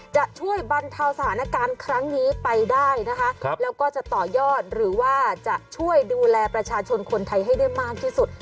จะช่วยบรรเทาสถานการณ์ครั้งนี้ไปได้นะคะแล้วก็จะต่อยอดหรือว่าจะช่วยดูแลประชาชนคนไทยให้ได้มากที่สุด